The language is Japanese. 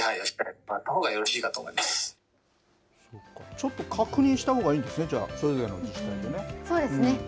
ちょっと確認したほうがいいんですね、じゃあ、それぞれの自そうですね。